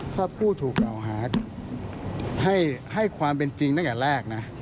ถ้าผู้ถูกกล่าวหาให้ความเป็นจริงตั้งแต่แรกนะ